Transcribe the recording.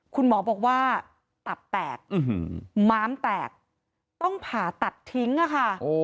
คุณหมอบอกว่าตับแตกม้ามแตกต้องผ่าตัดทิ้งอะค่ะ